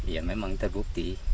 ya memang terbukti